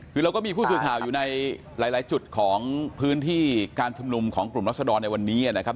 คือเราก็มีผู้สื่อข่าวอยู่ในหลายจุดของพื้นที่การชุมนุมของกลุ่มรัศดรในวันนี้นะครับ